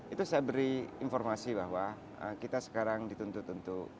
itu saya beri informasi bahwa kita sekarang dituntut untuk